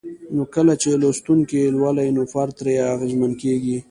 نو کله چې لوستونکي لولي نو فرد ترې اغېزمن کيږي